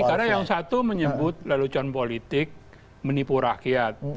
karena yang satu menyebut lelucon politik menipu rakyat